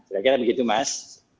sudah kira begitu mas